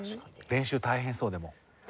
練習大変そうでも。